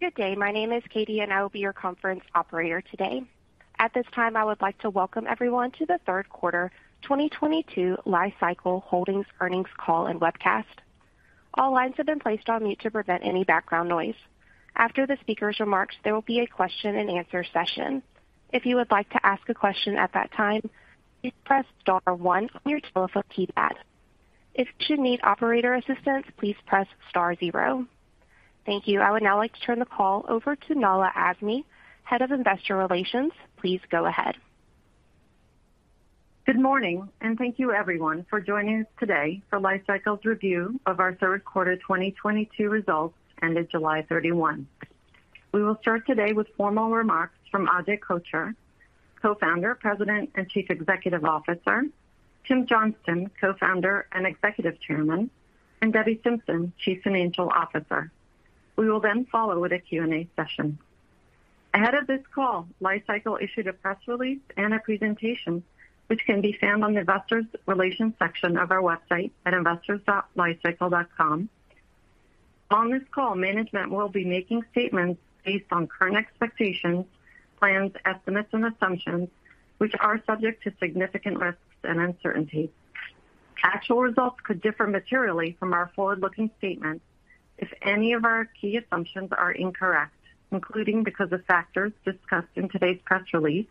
Good day. My name is Katie, and I will be your conference operator today. At this time, I would like to welcome everyone to the third quarter, 2022 Li-Cycle Holdings earnings call and webcast. All lines have been placed on mute to prevent any background noise. After the speaker's remarks, there will be a question-and-answer session. If you would like to ask a question at that time, please press star one on your telephone keypad. If you should need operator assistance, please press star zero. Thank you. I would now like to turn the call over to Nahla Azmy, Head of Investor Relations. Please go ahead. Good morning, and thank you everyone for joining us today for Li-Cycle's review of our third quarter 2022 results, ended July 31. We will start today with formal remarks from Ajay Kochhar, Co-founder, President, and Chief Executive Officer, Tim Johnston, Co-Founder and Executive Chairman, and Debbie Simpson, Chief Financial Officer. We will then follow with a Q&A session. Ahead of this call, Li-Cycle issued a press release and a presentation which can be found on the investor relations section of our website at investors.li-cycle.com. On this call, management will be making statements based on current expectations, plans, estimates and assumptions which are subject to significant risks and uncertainties. Actual results could differ materially from our forward-looking statements if any of our key assumptions are incorrect, including because of factors discussed in today's press release,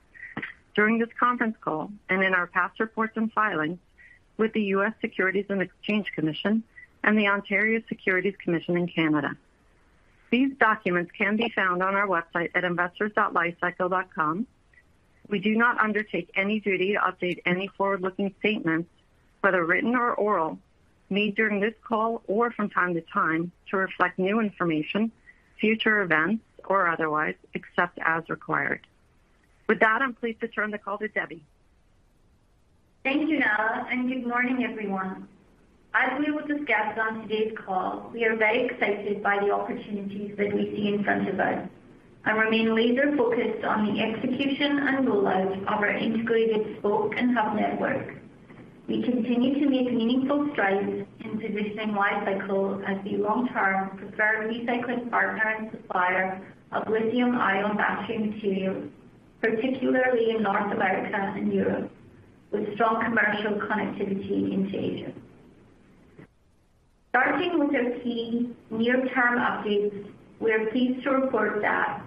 during this conference call and in our past reports and filings with the U.S. Securities and Exchange Commission and the Ontario Securities Commission in Canada. These documents can be found on our website at investors.licycle.com. We do not undertake any duty to update any forward-looking statements, whether written or oral, made during this call or from time to time, to reflect new information, future events, or otherwise, except as required. With that, I'm pleased to turn the call to Debbie. Thank you, Nahla, and good morning, everyone. As we will discuss on today's call, we are very excited by the opportunities that we see in front of us and remain laser focused on the execution and rollout of our integrated Spoke and Hub network. We continue to make meaningful strides in positioning Li-Cycle as the long-term preferred recycling partner and supplier of lithium ion battery materials, particularly in North America and Europe, with strong commercial connectivity into Asia. Starting with our key near-term updates, we are pleased to report that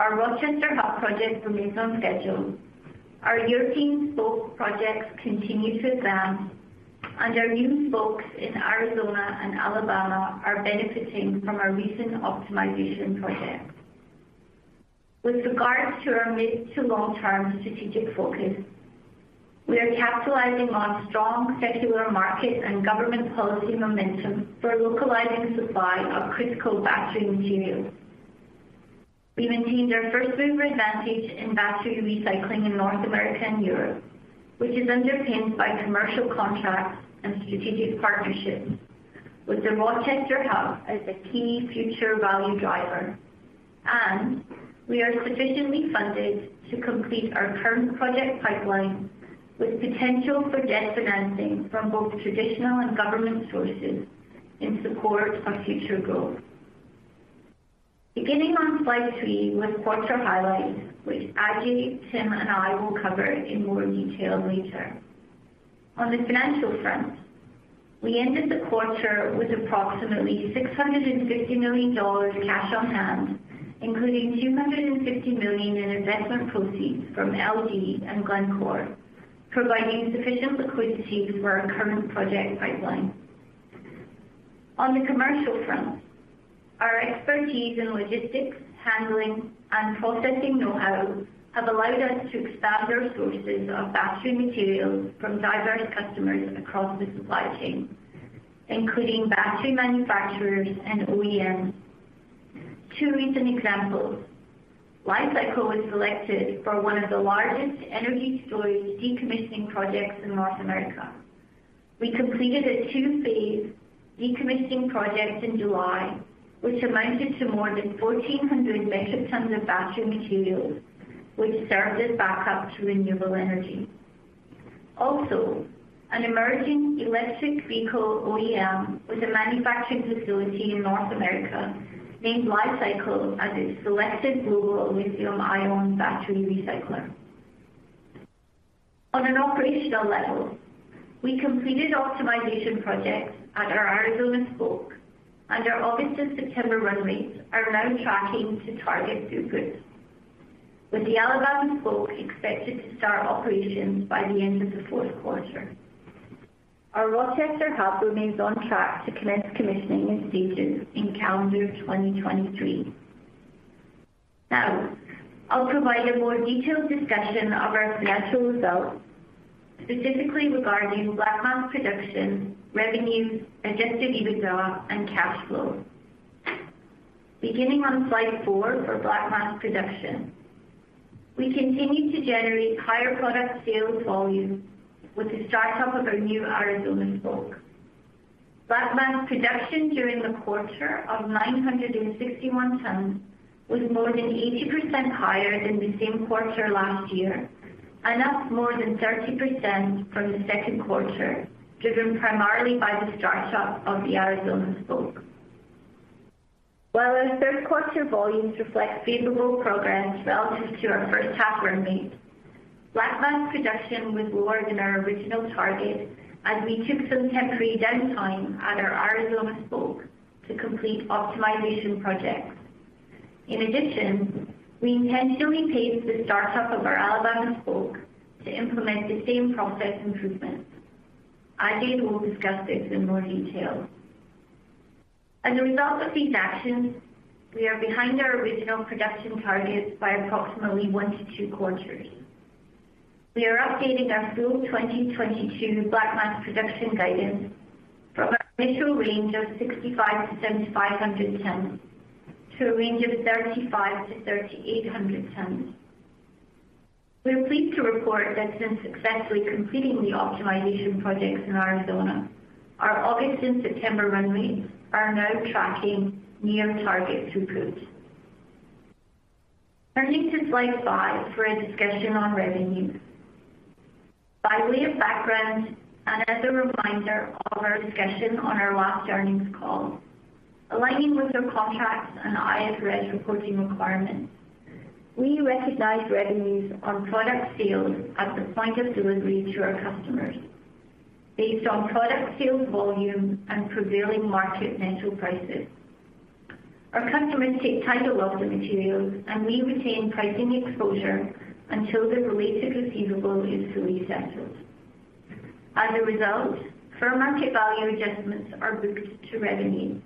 our Rochester Hub project remains on schedule. Our European Spoke projects continue to advance and our new Spokes in Arizona and Alabama are benefiting from our recent optimization projects. With regards to our mid to long-term strategic focus, we are capitalizing on strong secular market and government policy momentum for localizing supply of critical battery materials. We maintained our first-mover advantage in battery recycling in North America and Europe, which is underpinned by commercial contracts and strategic partnerships with the Rochester Hub as a key future value driver, and we are sufficiently funded to complete our current project pipeline with potential for debt financing from both traditional and government sources in support of future growth. Beginning on slide 3 with quarter highlights, which Ajay, Tim and I will cover in more detail later. On the financial front, we ended the quarter with approximately $650 million cash on hand, including $250 million in investment proceeds from LG and Glencore, providing sufficient liquidity for our current project pipeline. On the commercial front, our expertise in logistics, handling and processing know-how have allowed us to expand our sources of battery materials from diverse customers across the supply chain, including battery manufacturers and OEMs. Two recent examples. Li-Cycle was selected for one of the largest energy storage decommissioning projects in North America. We completed a two-phase decommissioning project in July, which amounted to more than 1,400 metric tons of battery materials, which served as backup to renewable energy. Also, an emerging electric vehicle OEM with a manufacturing facility in North America named Li-Cycle as its selected global lithium-ion battery recycler. On an operational level, we completed optimization projects at our Arizona Spoke, and our August and September run rates are now tracking to target throughput. With the Alabama Spoke expected to start operations by the end of the fourth quarter. Our Rochester Hub remains on track to commence commissioning in stages in calendar 2023. Now, I'll provide a more detailed discussion of our financial results, specifically regarding black mass production, revenues, adjusted EBITDA and cash flow. Beginning on slide 4 for black mass production. We continue to generate higher product sales volume with the start-up of our new Arizona Spoke. Black mass production during the quarter of 961 tons was more than 80% higher than the same quarter last year. That's more than 30% from the second quarter, driven primarily by the start-up of the Arizona Spoke. While our third quarter volumes reflect favorable progress relative to our first half run rate, black mass production was lower than our original target as we took some temporary downtime at our Arizona Spoke to complete optimization projects. In addition, we intentionally paced the start-up of our Alabama Spoke to implement the same process improvements. Ajay will discuss this in more detail. As a result of these actions, we are behind our original production targets by approximately one to two quarters. We are updating our full 2022 black mass production guidance from our initial range of 6,500-7,500 tons to a range of 3,500-3,800 tons. We are pleased to report that since successfully completing the optimization projects in Arizona, our August and September run rates are now tracking near target throughput. Turning to slide 5 for a discussion on revenues. By way of background, and as a reminder of our discussion on our last earnings call, aligning with the contracts and IFRS reporting requirements, we recognize revenues on product sales at the point of delivery to our customers based on product sales volume and prevailing market metal prices. Our customers take title of the materials and we retain pricing exposure until the related receivable is fully settled. As a result, fair market value adjustments are booked to revenue.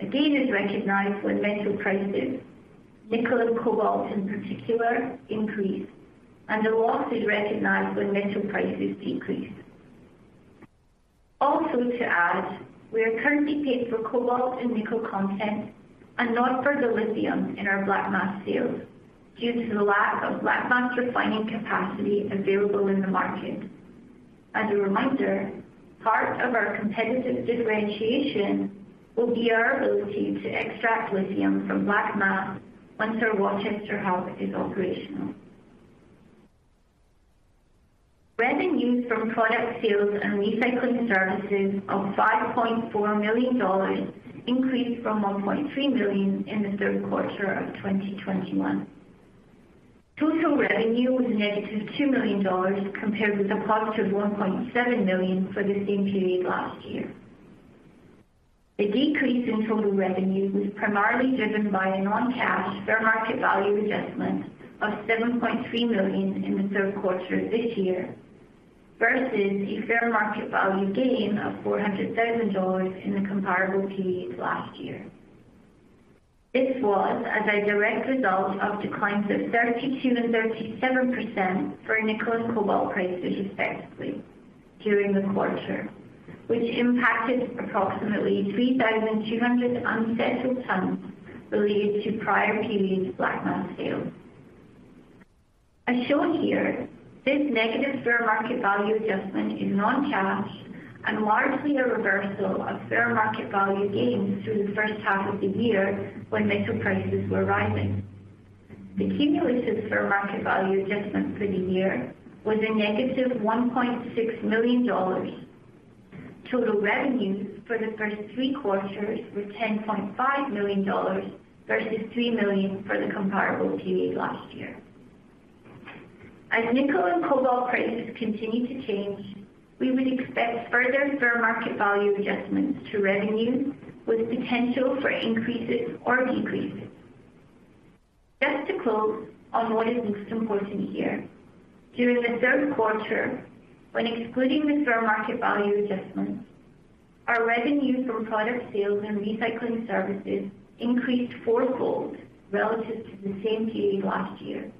A gain is recognized when metal prices, nickel and cobalt in particular, increase, and a loss is recognized when metal prices decrease. Also to add, we are currently paid for cobalt and nickel content and not for the lithium in our black mass sales due to the lack of black mass refining capacity available in the market. As a reminder, part of our competitive differentiation will be our ability to extract lithium from black mass once our Rochester Hub is operational. Revenues from product sales and recycling services of $5.4 million increased from $1.3 million in the third quarter of 2021. Total revenue was -$2 million compared with a positive $1.7 million for the same period last year. The decrease in total revenue was primarily driven by a non-cash fair market value adjustment of $7.3 million in the third quarter of this year versus a fair market value gain of $400,000 in the comparable period last year. This was a direct result of declines of 32% and 37% for nickel and cobalt prices, respectively, during the quarter, which impacted approximately 3,200 unsettled tons related to prior period black mass sales. As shown here, this negative fair market value adjustment is non-cash and largely a reversal of fair market value gains through the first half of the year when metal prices were rising. The cumulative fair market value adjustment for the year was a -$1.6 million. Total revenues for the first three quarters were $10.5 million versus $3 million for the comparable period last year. As nickel and cobalt prices continue to change, we would expect further fair market value adjustments to revenue with potential for increases or decreases. Just to close on what is most important here, during the third quarter, when excluding the fair market value adjustments, our revenue from product sales and recycling services increased fourfold relative to the same period last year,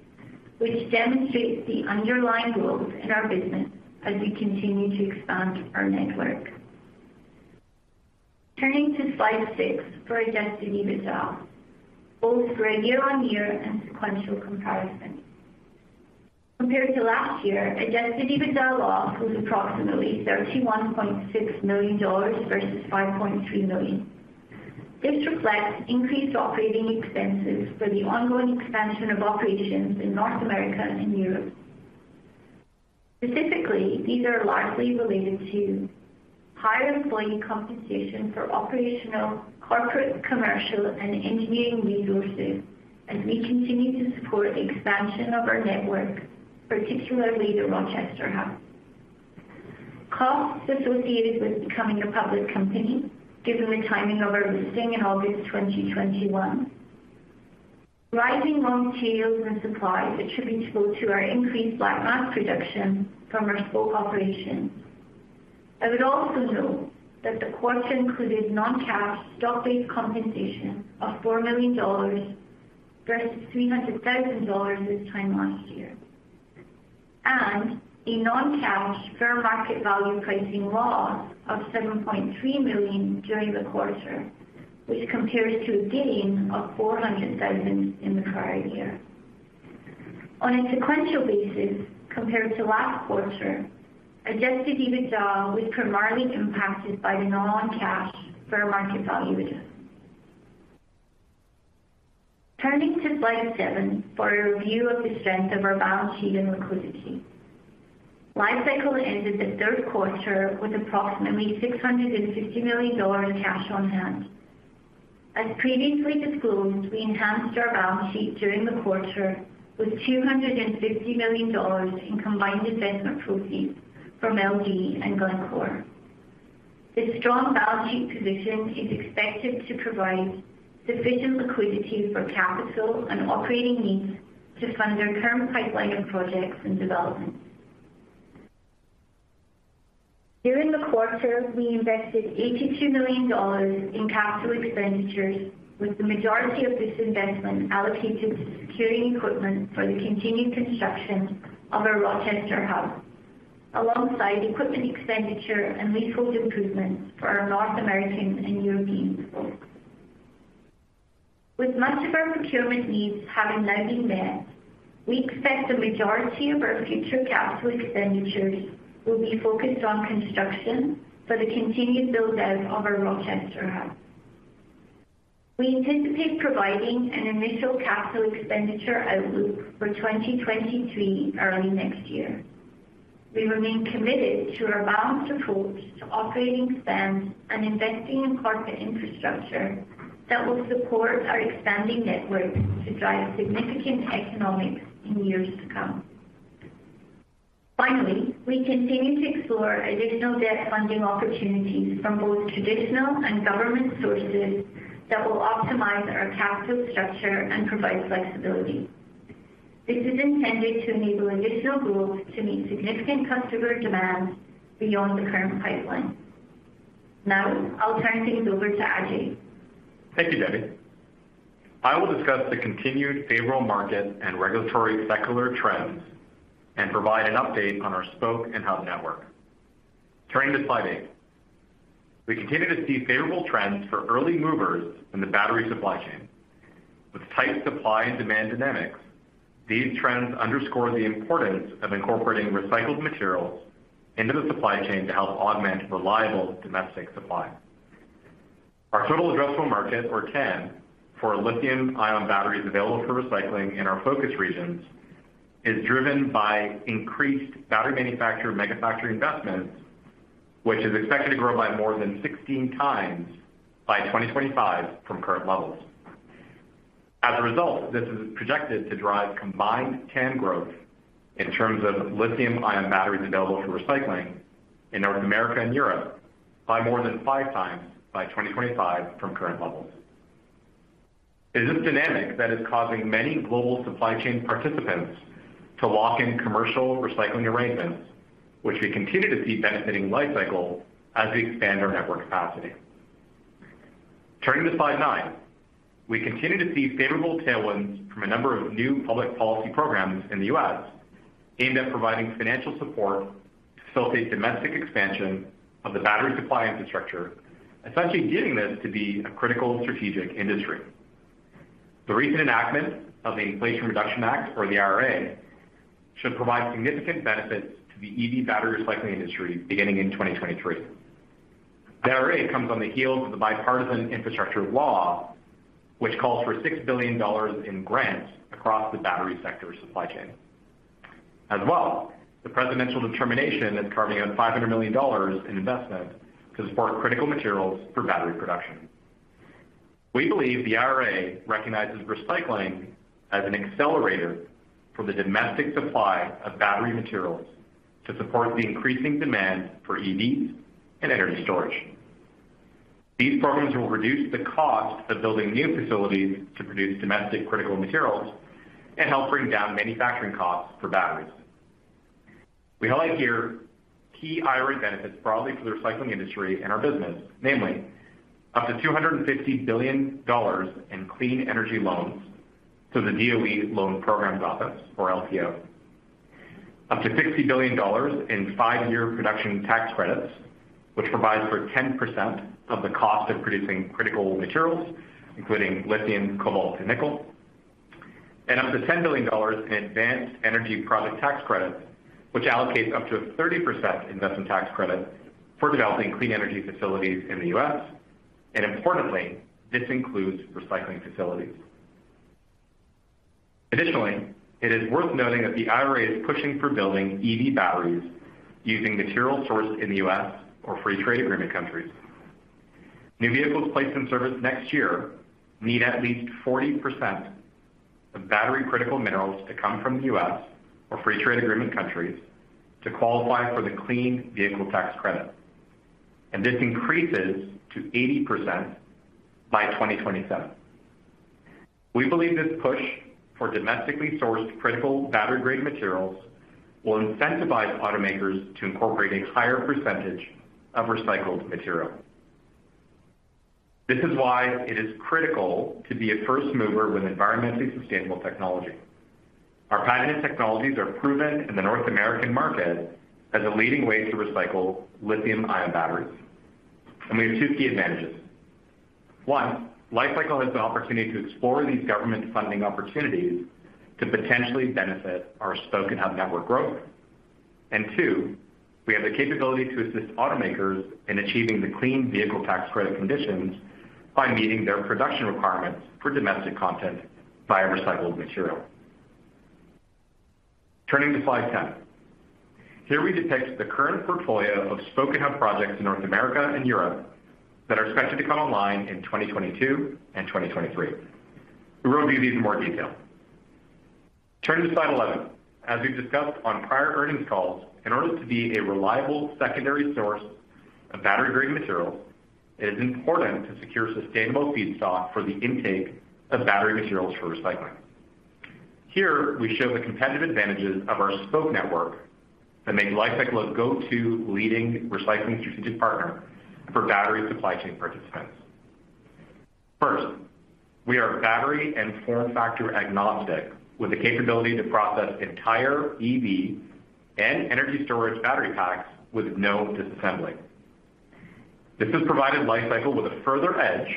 which demonstrates the underlying growth in our business as we continue to expand our network. Turning to slide 6 for adjusted EBITDA, both for a year-on-year and sequential comparison. Compared to last year, adjusted EBITDA loss was approximately $31.6 million versus $5.3 million. This reflects increased operating expenses for the ongoing expansion of operations in North America and Europe. Specifically, these are largely related to higher employee compensation for operational, corporate, commercial, and engineering resources as we continue to support the expansion of our network, particularly the Rochester Hub. Costs associated with becoming a public company, given the timing of our listing in August 2021. Rising raw materials and supplies attributable to our increased black mass production from our spoke operations. I would also note that the quarter included non-cash stock-based compensation of $4 million versus $300,000 this time last year, and a non-cash fair market value pricing loss of $7.3 million during the quarter, which compares to a gain of $400,000 in the prior year. On a sequential basis, compared to last quarter, adjusted EBITDA was primarily impacted by the non-cash fair market value. Turning to slide 7 for a review of the strength of our balance sheet and liquidity. Li-Cycle ended the third quarter with approximately $650 million in cash on hand. As previously disclosed, we enhanced our balance sheet during the quarter with $250 million in combined investment proceeds from LG and Glencore. This strong balance sheet position is expected to provide sufficient liquidity for capital and operating needs to fund our current pipeline of projects and developments. During the quarter, we invested $82 million in capital expenditures, with the majority of this investment allocated to securing equipment for the continued construction of our Rochester Hub, alongside equipment expenditure and leasehold improvements for our North American and European Hubs. With much of our procurement needs having now been met, we expect the majority of our future capital expenditures will be focused on construction for the continued build-out of our Rochester Hub. We anticipate providing an initial capital expenditure outlook for 2023 early next year. We remain committed to our balanced approach to operating spend and investing in corporate infrastructure that will support our expanding network to drive significant economics in years to come. Finally, we continue to explore additional debt funding opportunities from both traditional and government sources that will optimize our capital structure and provide flexibility. This is intended to enable additional growth to meet significant customer demands beyond the current pipeline. Now I'll turn things over to Ajay. Thank you, Debbie. I will discuss the continued favorable market and regulatory secular trends and provide an update on our Spoke & Hub network. Turning to slide 8. We continue to see favorable trends for early movers in the battery supply chain. With tight supply and demand dynamics, these trends underscore the importance of incorporating recycled materials into the supply chain to help augment reliable domestic supply. Our total addressable market, or TAM, for lithium-ion batteries available for recycling in our focus regions is driven by increased battery manufacturer mega factory investments, which is expected to grow by more than 16 times by 2025 from current levels. As a result, this is projected to drive combined TAM growth in terms of lithium-ion batteries available for recycling in North America and Europe by more than five times by 2025 from current levels. It is this dynamic that is causing many global supply chain participants to lock in commercial recycling arrangements, which we continue to see benefiting Li-Cycle as we expand our network capacity. Turning to slide 9. We continue to see favorable tailwinds from a number of new public policy programs in the U.S. aimed at providing financial support to facilitate domestic expansion of the battery supply infrastructure, essentially getting this to be a critical strategic industry. The recent enactment of the Inflation Reduction Act, or the IRA, should provide significant benefits to the EV battery recycling industry beginning in 2023. The IRA comes on the heels of the Bipartisan Infrastructure Law, which calls for $6 billion in grants across the battery sector supply chain. As well, the presidential determination is carving out $500 million in investment to support critical materials for battery production. We believe the IRA recognizes recycling as an accelerator for the domestic supply of battery materials to support the increasing demand for EVs and energy storage. These programs will reduce the cost of building new facilities to produce domestic critical materials and help bring down manufacturing costs for batteries. We highlight here key IRA benefits broadly for the recycling industry and our business, namely up to $250 billion in clean energy loans to the DOE Loan Programs Office, or LPO. Up to $60 billion in five-year production tax credits, which provides for 10% of the cost of producing critical materials, including lithium, cobalt, and nickel. Up to $10 billion in advanced energy product tax credits, which allocates up to a 30% investment tax credit for developing clean energy facilities in the U.S. Importantly, this includes recycling facilities. Additionally, it is worth noting that the IRA is pushing for building EV batteries using materials sourced in the U.S. or free trade agreement countries. New vehicles placed in service next year need at least 40% of battery critical minerals to come from the U.S. or free trade agreement countries to qualify for the Clean Vehicle Tax Credit, and this increases to 80% by 2027. We believe this push for domestically sourced critical battery-grade materials will incentivize automakers to incorporate a higher percentage of recycled material. This is why it is critical to be a first mover with environmentally sustainable technology. Our patented technologies are proven in the North American market as a leading way to recycle lithium-ion batteries, and we have two key advantages. One, Li-Cycle has the opportunity to explore these government funding opportunities to potentially benefit our Spoke and Hub network growth. Two, we have the capability to assist automakers in achieving the Clean Vehicle Tax Credit conditions by meeting their production requirements for domestic content via recycled material. Turning to slide 10. Here we depict the current portfolio of Spoke and Hub projects in North America and Europe that are expected to come online in 2022 and 2023. We will review these in more detail. Turning to slide 11. As we've discussed on prior earnings calls, in order to be a reliable secondary source of battery-grade materials, it is important to secure sustainable feedstock for the intake of battery materials for recycling. Here, we show the competitive advantages of our Spoke network that make Li-Cycle a go-to leading recycling strategic partner for battery supply chain participants. First, we are battery and form factor agnostic with the capability to process entire EV and energy storage battery packs with no disassembling. This has provided Li-Cycle with a further edge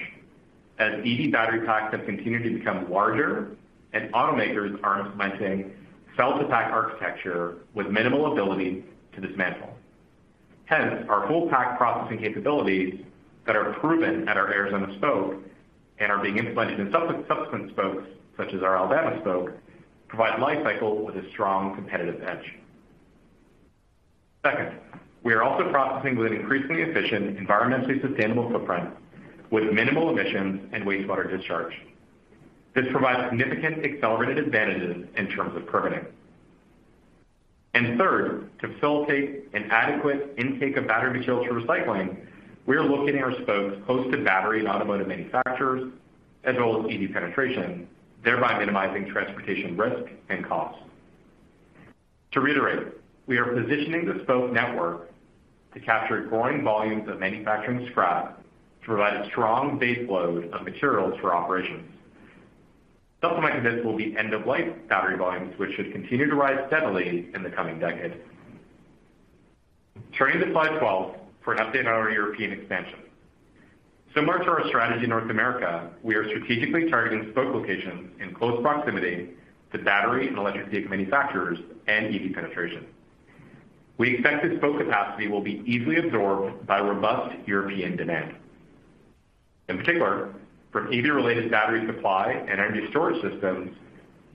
as EV battery packs have continued to become larger, and automakers are implementing cell-to-pack architecture with minimal ability to dismantle. Hence, our full pack processing capabilities that are proven at our Arizona Spoke and are being implemented in subsequent spokes, such as our Alabama Spoke, provide Li-Cycle with a strong competitive edge. Second, we are also processing with an increasingly efficient, environmentally sustainable footprint with minimal emissions and wastewater discharge. This provides significant accelerated advantages in terms of permitting. Third, to facilitate an adequate intake of battery materials for recycling, we are locating our Spokes close to battery and automotive manufacturers, as well as EV penetration, thereby minimizing transportation risk and cost. To reiterate, we are positioning the Spoke network to capture growing volumes of manufacturing scrap to provide a strong base load of materials for operations. Supplementing this will be end-of-life battery volumes, which should continue to rise steadily in the coming decades. Turning to slide 12 for an update on our European expansion. Similar to our strategy in North America, we are strategically targeting Spoke locations in close proximity to battery and electric vehicle manufacturers and EV penetration. We expect this Spoke capacity will be easily absorbed by robust European demand, in particular from EV-related battery supply and energy storage systems,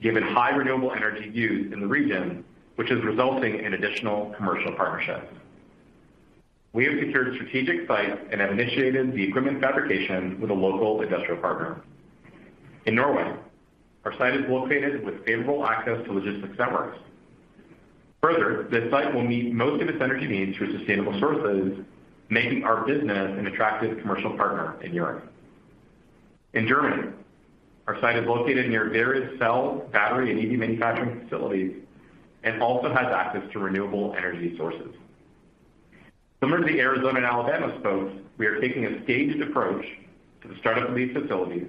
given high renewable energy use in the region, which is resulting in additional commercial partnerships. We have secured strategic sites and have initiated the equipment fabrication with a local industrial partner. In Norway, our site is located with favorable access to logistics networks. Further, this site will meet most of its energy needs through sustainable sources, making our business an attractive commercial partner in Europe. In Germany, our site is located near various cell, battery and EV manufacturing facilities and also has access to renewable energy sources. Similar to the Arizona and Alabama Spokes, we are taking a staged approach to the start-up of these facilities,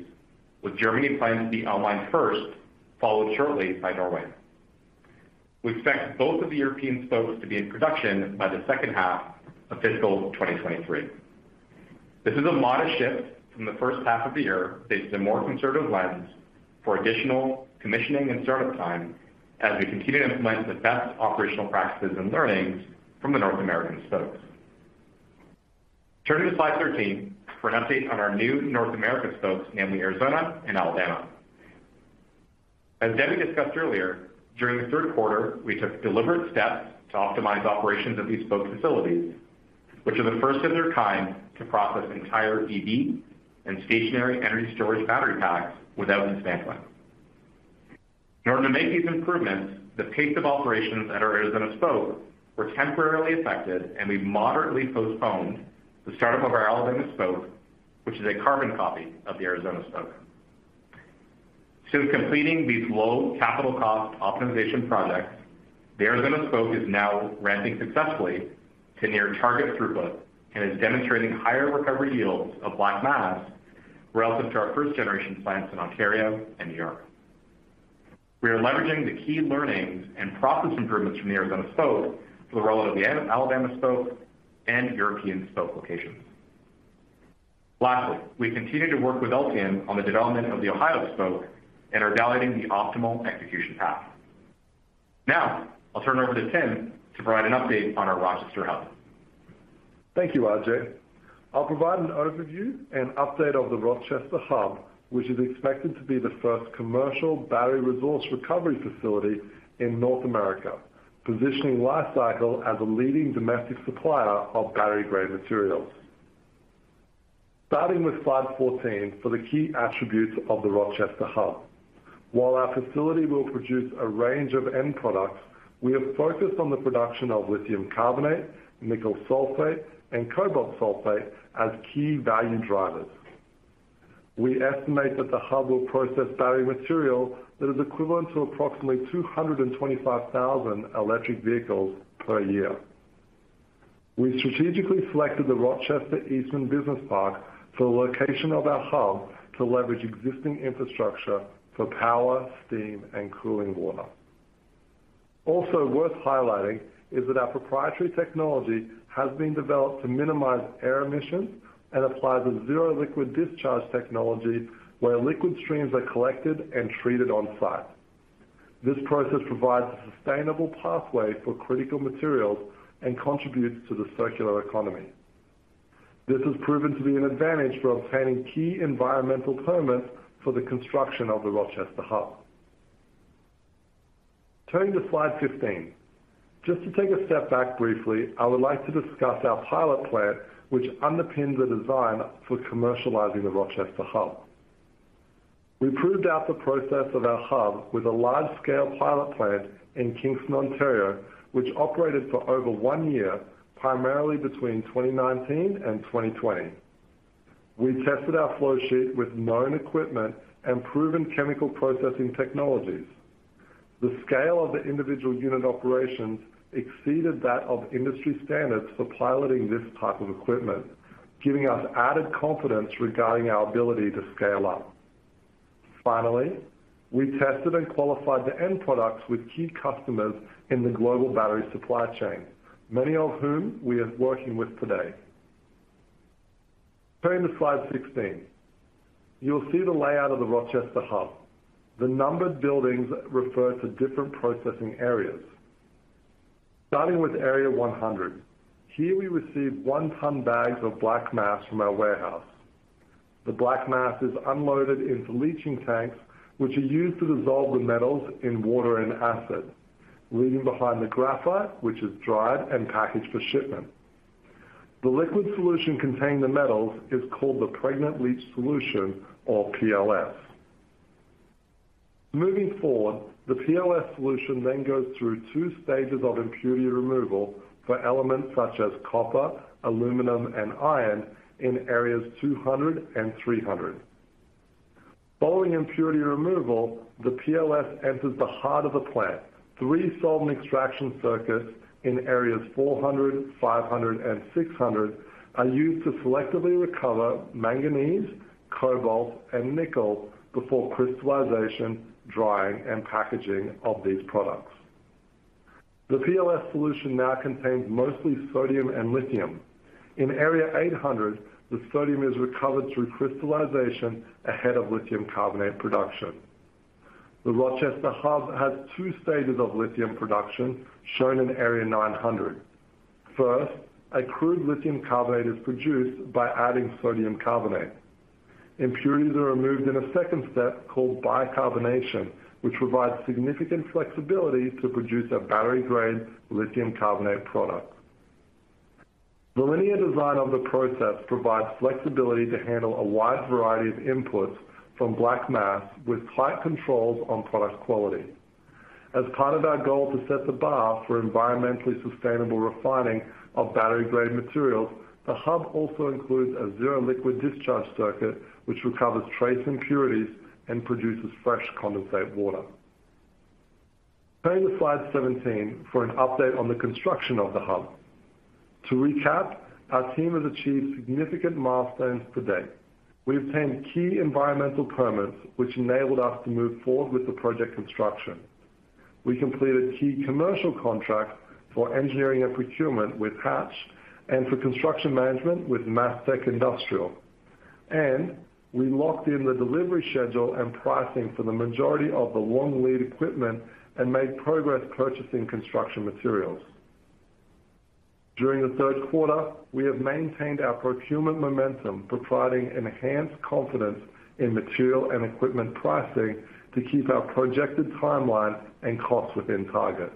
with Germany planned to be online first, followed shortly by Norway. We expect both of the European spokes to be in production by the second half of fiscal 2023. This is a modest shift from the first half of the year based on a more conservative lens for additional commissioning and start-up time as we continue to implement the best operational practices and learnings from the North American Spokes. Turning to slide 13 for an update on our new North American Spokes, namely Arizona and Alabama. As Debbie discussed earlier, during the third quarter, we took deliberate steps to optimize operations of these Spoke facilities, which are the first of their kind to process entire EV and stationary energy storage battery packs without dismantling. In order to make these improvements, the pace of operations at our Arizona Spoke were temporarily affected, and we moderately postponed the start-up of our Alabama Spoke, which is a carbon copy of the Arizona Spoke. Since completing these low capital cost optimization projects, the Arizona Spoke is now ramping successfully to near target throughput and is demonstrating higher recovery yields of black mass relative to our first-generation plants in Ontario and Europe. We are leveraging the key learnings and process improvements from the Arizona Spoke for the rollout of the Alabama Spoke and European Spoke locations. Lastly, we continue to work with LPO on the development of the Ohio Spoke and are validating the optimal execution path. Now, I'll turn it over to Tim to provide an update on our Rochester Hub. Thank you, RJ. I'll provide an overview and update of the Rochester hub, which is expected to be the first commercial battery resource recovery facility in North America, positioning Li-Cycle as a leading domestic supplier of battery-grade materials. Starting with slide 14 for the key attributes of the Rochester hub. While our facility will produce a range of end products, we have focused on the production of lithium carbonate, nickel sulfate, and cobalt sulfate as key value drivers. We estimate that the hub will process battery material that is equivalent to approximately 225,000 electric vehicles per year. We strategically selected the Rochester Eastman Business Park for the location of our hub to leverage existing infrastructure for power, steam, and cooling water. Also worth highlighting is that our proprietary technology has been developed to minimize air emissions and applies a zero-liquid-discharge technology where liquid streams are collected and treated on-site. This process provides a sustainable pathway for critical materials and contributes to the circular economy. This has proven to be an advantage for obtaining key environmental permits for the construction of the Rochester Hub. Turning to slide 15. Just to take a step back briefly, I would like to discuss our pilot plant, which underpinned the design for commercializing the Rochester Hub. We proved out the process of our hub with a large-scale pilot plant in Kingston, Ontario, which operated for over one year, primarily between 2019 and 2020. We tested our flow sheet with known equipment and proven chemical processing technologies. The scale of the individual unit operations exceeded that of industry standards for piloting this type of equipment, giving us added confidence regarding our ability to scale up. Finally, we tested and qualified the end products with key customers in the global battery supply chain, many of whom we are working with today. Turning to slide 16. You will see the layout of the Rochester Hub. The numbered buildings refer to different processing areas. Starting with area 100, here we receive 1-ton bags of black mass from our warehouse. The black mass is unloaded into leaching tanks, which are used to dissolve the metals in water and acid, leaving behind the graphite, which is dried and packaged for shipment. The liquid solution containing the metals is called the pregnant leach solution or PLS. Moving forward, the PLS solution then goes through two stages of impurity removal for elements such as copper, aluminum, and iron in areas 200 and 300. Following impurity removal, the PLS enters the heart of the plant. Three solvent extraction circuits in areas 400, 500, and 600 are used to selectively recover manganese, cobalt, and nickel before crystallization, drying, and packaging of these products. The PLS solution now contains mostly sodium and lithium. In area 800, the sodium is recovered through crystallization ahead of lithium carbonate production. The Rochester Hub has two stages of lithium production shown in area 900. First, a crude lithium carbonate is produced by adding sodium carbonate. Impurities are removed in a second step called bicarbonation, which provides significant flexibility to produce a battery-grade lithium carbonate product. The linear design of the process provides flexibility to handle a wide variety of inputs from black mass with tight controls on product quality. As part of our goal to set the bar for environmentally sustainable refining of battery-grade materials, the hub also includes a zero-liquid-discharge circuit, which recovers trace impurities and produces fresh condensate water. Turning to slide 17 for an update on the construction of the hub. To recap, our team has achieved significant milestones to date. We obtained key environmental permits which enabled us to move forward with the project construction. We completed key commercial contracts for engineering and procurement with Hatch and for construction management with MasTec Industrial. We locked in the delivery schedule and pricing for the majority of the long-lead equipment and made progress purchasing construction materials. During the third quarter, we have maintained our procurement momentum, providing enhanced confidence in material and equipment pricing to keep our projected timeline and costs within target.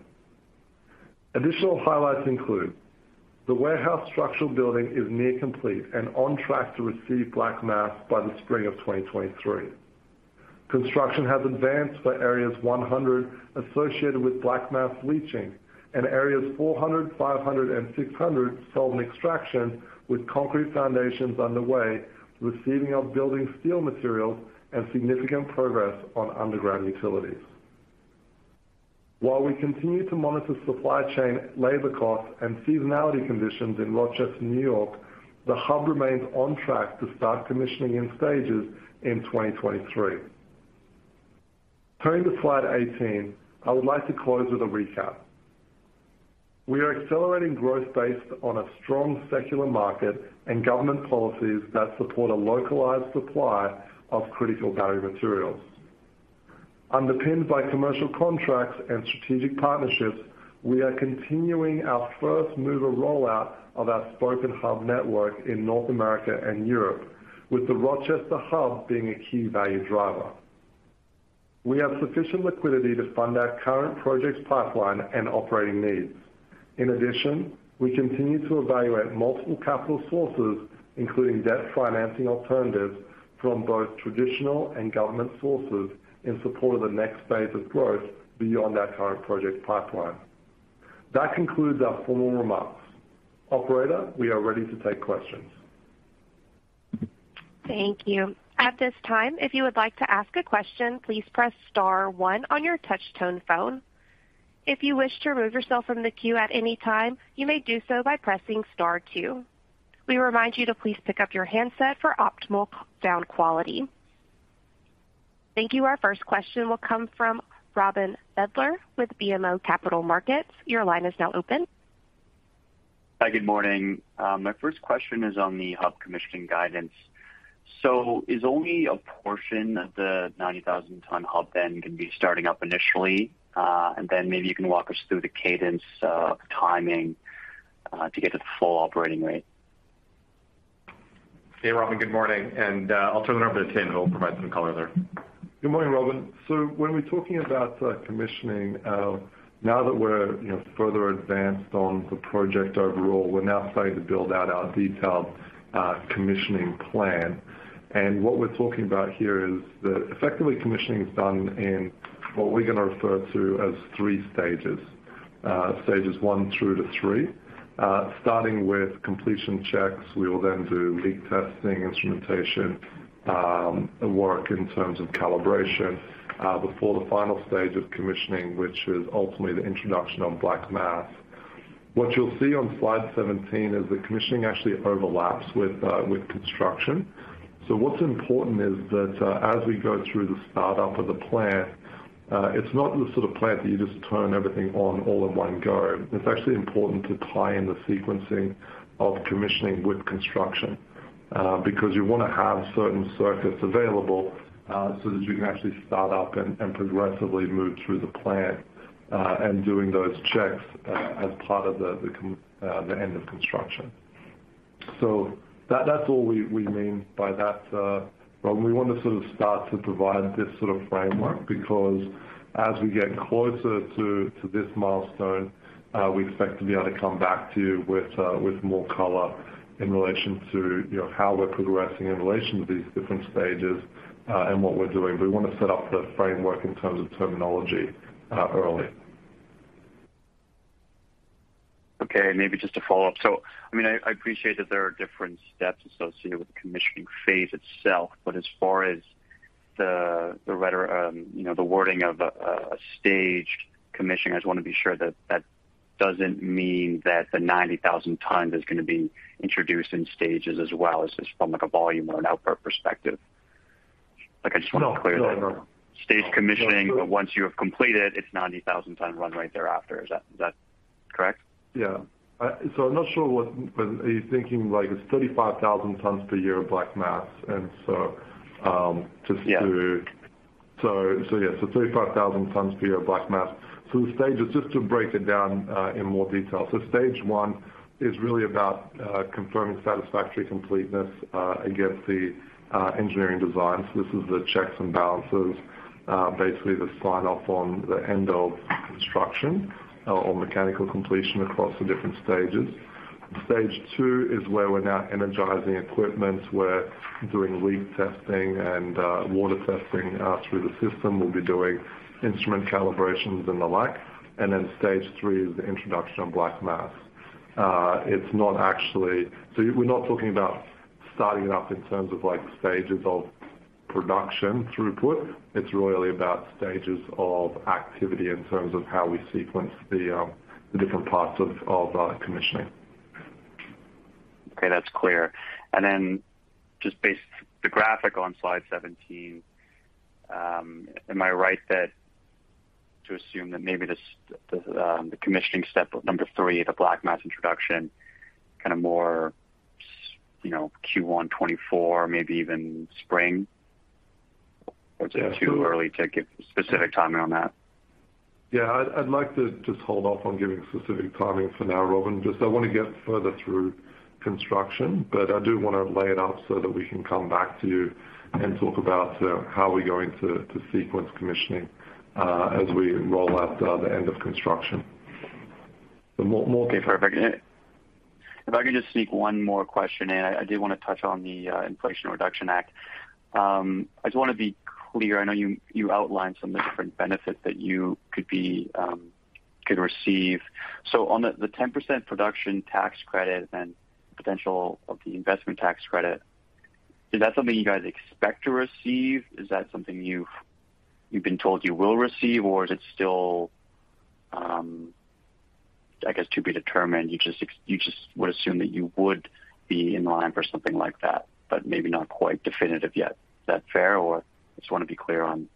Additional highlights include the warehouse structural building is nearly complete and on track to receive black mass by the spring of 2023. Construction has advanced for areas 100 associated with black mass leaching and areas 400, 500, and 600 solvent extraction with concrete foundations underway, receiving of building steel material and significant progress on underground utilities. While we continue to monitor supply chain labor costs and seasonality conditions in Rochester, New York, the hub remains on track to start commissioning in stages in 2023. Turning to slide 18, I would like to close with a recap. We are accelerating growth based on a strong secular market and government policies that support a localized supply of critical battery materials. Underpinned by commercial contracts and strategic partnerships, we are continuing our first-mover rollout of our Spoke and Hub network in North America and Europe, with the Rochester Hub being a key value driver. We have sufficient liquidity to fund our current projects pipeline and operating needs. In addition, we continue to evaluate multiple capital sources, including debt financing alternatives from both traditional and government sources in support of the next phase of growth beyond our current project pipeline. That concludes our formal remarks. Operator, we are ready to take questions. Thank you. At this time, if you would like to ask a question, please press star one on your touch-tone phone. If you wish to remove yourself from the queue at any time, you may do so by pressing star two. We remind you to please pick up your handset for optimal sound quality. Thank you. Our first question will come from Robin Fiedler with BMO Capital Markets. Your line is now open. Hi, good morning. My first question is on the hub commissioning guidance. Is only a portion of the 90,000-ton hub then gonna be starting up initially? And then maybe you can walk us through the cadence, timing, to get to the full operating rate. Hey, Robin, good morning. I'll turn it over to Tim, who will provide some color there. Good morning, Robin. When we're talking about commissioning, now that we're, you know, further advanced on the project overall, we're now starting to build out our detailed commissioning plan. What we're talking about here is that effectively commissioning is done in what we're gonna refer to as three stages 1 through 3. Starting with completion checks, we will then do leak testing, instrumentation work in terms of calibration before the final stage of commissioning, which is ultimately the introduction of black mass. What you'll see on slide 17 is the commissioning actually overlaps with construction. What's important is that as we go through the startup of the plant, it's not the sort of plant that you just turn everything on all in one go. It's actually important to tie in the sequencing of commissioning with construction, because you wanna have certain circuits available, so that you can actually start up and progressively move through the plant, and doing those checks, as part of the end of construction. That's all we mean by that, Robin. We want to sort of start to provide this sort of framework because as we get closer to this milestone, we expect to be able to come back to you with more color in relation to, you know, how we're progressing in relation to these different stages, and what we're doing. We wanna set up the framework in terms of terminology early. Okay, maybe just a follow-up. I mean, I appreciate that there are different steps associated with the commissioning phase itself. But as far as the rhetoric, you know, the wording of a staged commission, I just wanna be sure that that doesn't mean that the 90,000 tons is gonna be introduced in stages as well as just from, like, a volume or an output perspective. Like, I just wanna clear that. No, no. Staged commissioning, once you have completed, it's 90,000-ton run right thereafter. Is that correct? I'm not sure what. Are you thinking like it's 35,000 tons per year of black mass? Just to- Yeah. Yeah. 35,000 tons per year of black mass. The stages, just to break it down, in more detail. Stage one is really about confirming satisfactory completeness against the engineering design. This is the checks and balances, basically the sign-off on the end of construction or mechanical completion across the different stages. Stage two is where we're now energizing equipment. We're doing leak testing and water testing through the system. We'll be doing instrument calibrations and the like. Then stage three is the introduction of black mass. It's not actually. We're not talking about starting it up in terms of like stages of production throughput. It's really about stages of activity in terms of how we sequence the different parts of commissioning. Okay, that's clear. Just based on the graphic on slide 17, am I right to assume that maybe this, the commissioning step number three, the black mass introduction, kinda more so, you know, Q1 2024, maybe even spring? Or is it too early to give specific timing on that? Yeah. I'd like to just hold off on giving specific timing for now, Robin. I wanna get further through construction, but I do wanna lay it out so that we can come back to you and talk about how we're going to sequence commissioning as we roll out the end of construction. But more Okay, perfect. If I could just sneak one more question in. I did want to touch on the Inflation Reduction Act. I just want to be clear. I know you outlined some of the different benefits that you could be, could receive. So on the 10% production tax credit and potential of the investment tax credit, is that something you guys expect to receive? Is that something you've been told you will receive, or is it still, I guess to be determined? You just would assume that you would be in line for something like that, but maybe not quite definitive yet. Is that fair or? Just want to be clear on-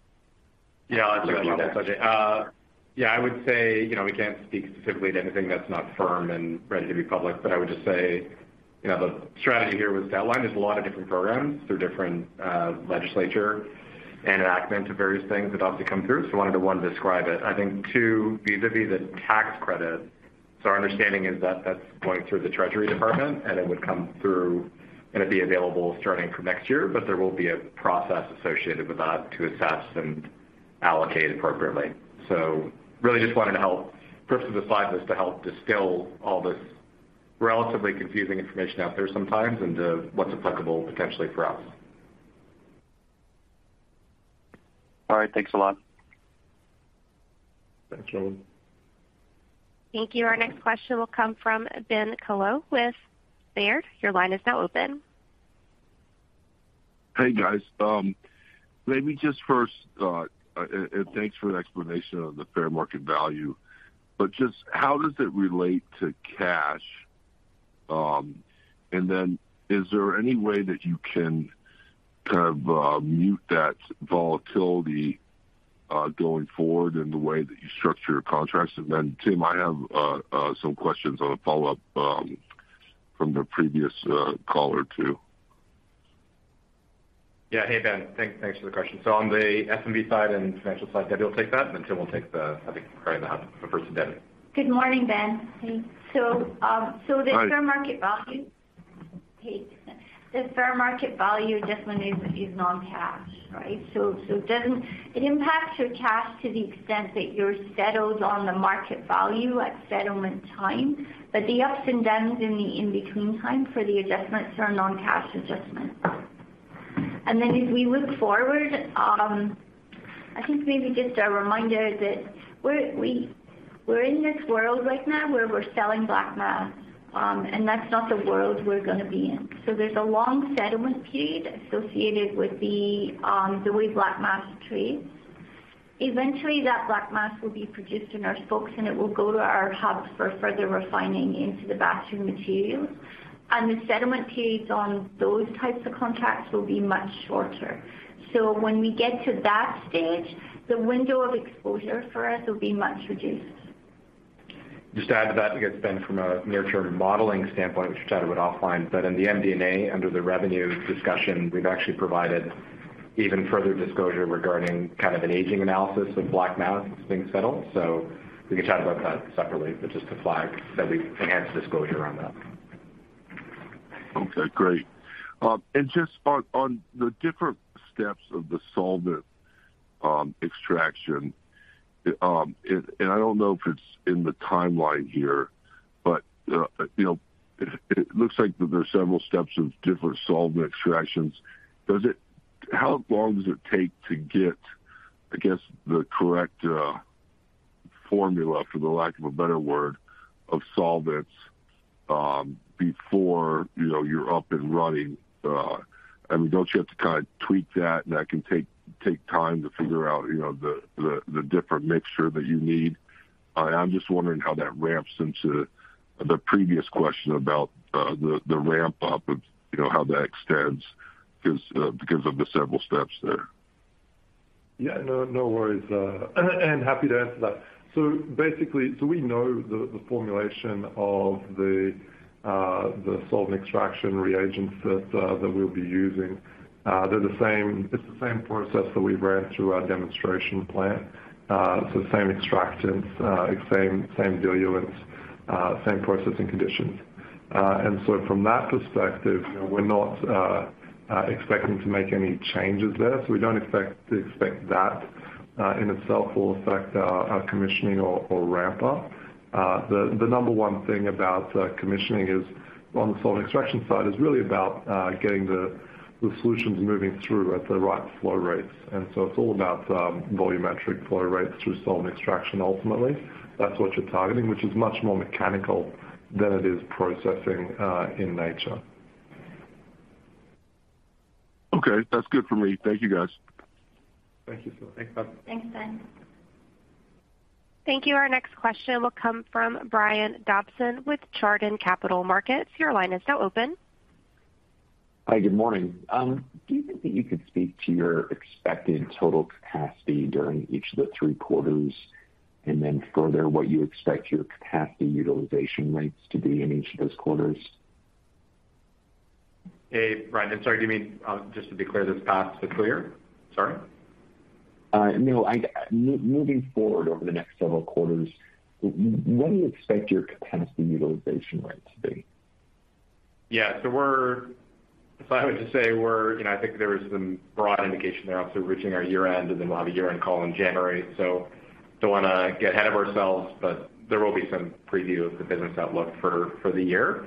Yeah, I'll jump in on that, Ajay. Yeah, I would say, you know, we can't speak specifically to anything that's not firm and ready to be public, but I would just say, you know, the strategy here with that line, there's a lot of different programs through different legislature and enactment of various things that have to come through. Wanted to, one, describe it. I think, two, vis-a-vis the tax credit. Our understanding is that that's going through the Treasury Department, and it would come through, and it'd be available starting from next year, but there will be a process associated with that to assess and allocate appropriately. Really just wanted to help. Purpose of the slide was to help distill all this relatively confusing information out there sometimes into what's applicable potentially for us. All right. Thanks a lot. Thanks, Robin. Thank you. Our next question will come from Ben Kallo with Baird. Your line is now open. Hey, guys. Let me just first and thanks for the explanation on the fair market value, but just how does it relate to cash? Is there any way that you can kind of mitigate that volatility going forward in the way that you structure your contracts. Tim, I have some questions on a follow-up from the previous caller too. Yeah. Hey, Ben, thanks for the question. On the SMB side and financial side, Debbie will take that, and then Tim will take the, I think, probably the hub, the first identity. Good morning, Ben. Hey. Hi. Fair market value. Hey. The fair market value adjustment is non-cash, right? So it doesn't impact your cash to the extent that you're settled on the market value at settlement time. The ups and downs in the in-between time for the adjustments are non-cash adjustments. Then as we look forward, I think maybe just a reminder that we're in this world right now where we're selling black mass, and that's not the world we're gonna be in. So there's a long settlement period associated with the way black mass trades. Eventually, that black mass will be produced in our Spokes, and it will go to our Hubs for further refining into the battery materials. The settlement periods on those types of contracts will be much shorter. when we get to that stage, the window of exposure for us will be much reduced. Just to add to that, I guess, Ben, from a near-term modeling standpoint, we should chat about offline, but in the MD&A, under the revenue discussion, we've actually provided even further disclosure regarding kind of an aging analysis of black mass being settled. We can chat about that separately, but just to flag that we've enhanced disclosure around that. Okay, great. Just on the different steps of the solvent extraction. I don't know if it's in the timeline here, but you know, it looks like there are several steps of different solvent extractions. How long does it take to get, I guess, the correct formula, for the lack of a better word, of solvents, before you know, you're up and running? I mean, don't you have to kind of tweak that, and that can take time to figure out you know, the different mixture that you need? I am just wondering how that ramps into the previous question about the ramp-up of you know, how that extends because of the several steps there. Yeah, no worries. Happy to answer that. Basically, we know the formulation of the solvent extraction reagents that we'll be using. They're the same. It's the same process that we ran through our demonstration plant. Same extractants, same diluents, same processing conditions. From that perspective, you know, we're not expecting to make any changes there. We don't expect that in itself will affect our commissioning or ramp up. The number one thing about commissioning is on the solvent extraction side is really about getting the solutions moving through at the right flow rates. It's all about volumetric flow rates through solvent extraction ultimately. That's what you're targeting, which is much more mechanical than it is processing in nature. Okay. That's good for me. Thank you, guys. Thank you. Thanks, Ben. Thanks, Ben. Thank you. Our next question will come from Brian Dobson with Chardan Capital Markets. Your line is now open. Hi, good morning. Do you think that you could speak to your expected total capacity during each of the three quarters, and then further, what you expect your capacity utilization rates to be in each of those quarters? Hey, Brian. I'm sorry, do you mean, just to be clear, that's past or clear? Sorry. No, moving forward over the next several quarters, what do you expect your capacity utilization rate to be? Yeah. If I were to say we're, you know, I think there is some broad indication there. Obviously, we're reaching our year-end, and then we'll have a year-end call in January. Don't wanna get ahead of ourselves, but there will be some preview of the business outlook for the year.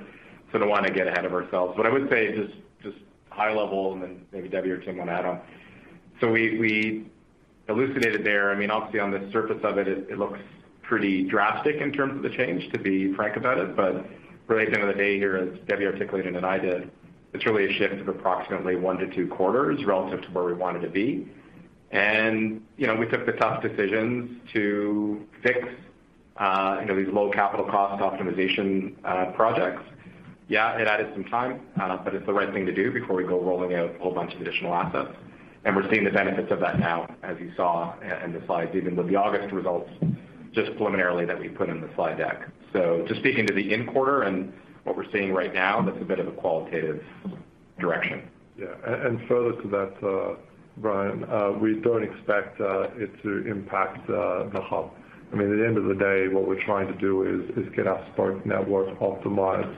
Don't wanna get ahead of ourselves. What I would say is just high-level, and then maybe Debbie or Tim want to add on. We elucidated there. I mean, obviously on the surface of it looks pretty drastic in terms of the change, to be frank about it. Really at the end of the day here, as Debbie articulated and I did, it's really a shift of approximately 1-2 quarters relative to where we wanted to be. You know, we took the tough decisions to fix, you know, these low capital cost optimization projects. Yeah, it added some time, but it's the right thing to do before we go rolling out a whole bunch of additional assets. We're seeing the benefits of that now, as you saw in the slides, even with the August results just preliminarily that we put in the slide deck. Just speaking to the in-quarter and what we're seeing right now, that's a bit of a qualitative direction. Further to that, Brian, we don't expect it to impact the hub. I mean, at the end of the day, what we're trying to do is get our Spoke network optimized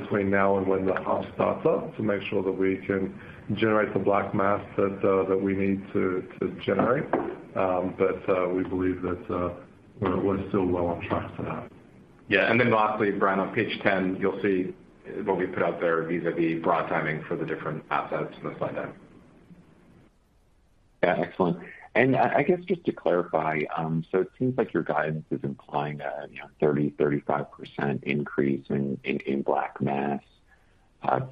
between now and when the Hub starts up to make sure that we can generate the black mass that we need to generate. We believe that we're still well on track for that. Yeah. Lastly, Brian, on page 10, you'll see what we put out there vis-à-vis broad timing for the different assets in the slide deck. Yeah. Excellent. I guess, just to clarify, so it seems like your guidance is implying a, you know, 30%-35% increase in black mass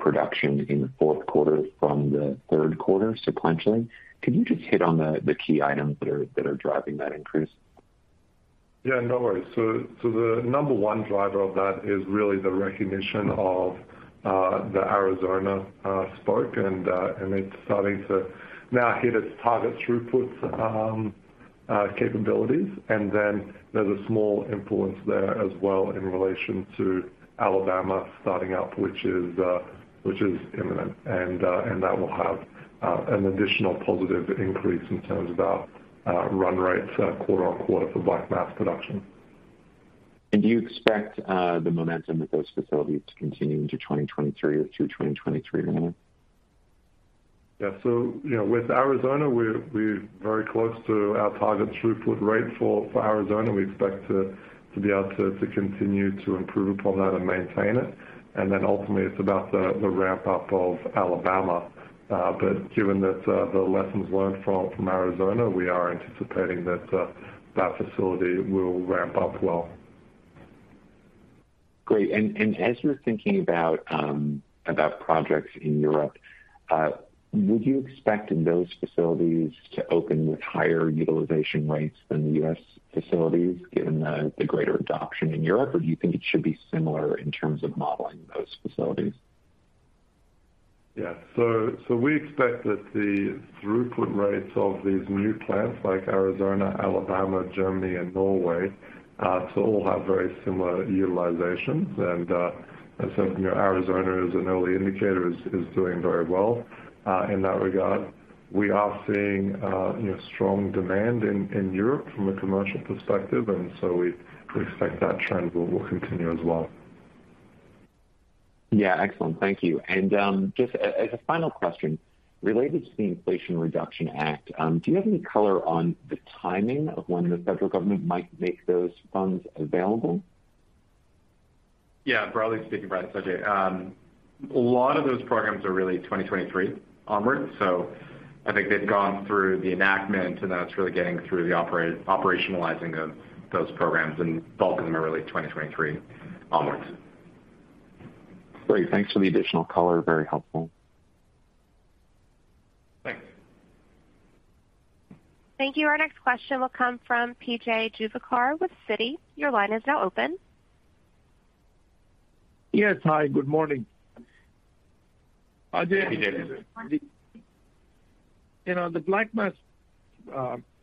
production in the fourth quarter from the third quarter sequentially. Can you just hit on the key items that are driving that increase? Yeah, no worries. The number one driver of that is really the recognition of the Arizona Spoke and it's starting to now hit its target throughput capabilities. There's a small influence there as well in relation to Alabama starting up, which is imminent. That will have an additional positive increase in terms of our run rates quarter-over-quarter for black mass production. Do you expect the momentum at those facilities to continue into 2023 or through 2023, Tim Johnston? Yeah. You know, with Arizona, we're very close to our target throughput rate for Arizona. We expect to be able to continue to improve upon that and maintain it. Ultimately, it's about the ramp-up of Alabama. Given that, the lessons learned from Arizona, we are anticipating that facility will ramp up well. Great. As you're thinking about projects in Europe, would you expect those facilities to open with higher utilization rates than the U.S. facilities, given the greater adoption in Europe? Or do you think it should be similar in terms of modeling those facilities? We expect that the throughput rates of these new plants, like Arizona, Alabama, Germany and Norway, to all have very similar utilizations. As you know, Arizona, as an early indicator, is doing very well in that regard. We are seeing, you know, strong demand in Europe from a commercial perspective, and we expect that trend will continue as well. Yeah. Excellent. Thank you. Just as a final question, related to the Inflation Reduction Act, do you have any color on the timing of when the federal government might make those funds available? Yeah. Broadly speaking, right, Ajay, a lot of those programs are really 2023 onwards, so I think they've gone through the enactment, and now it's really getting through the operationalizing of those programs and building them early 2023 onwards. Great. Thanks for the additional color. Very helpful. Thanks. Thank you. Our next question will come from P.J. Juvekar with Citi. Your line is now open. Yes. Hi, good morning. Hi, PJ. Hi, P.J. You know, the black mass